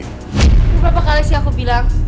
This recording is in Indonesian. lupa berapa kali sih aku bilang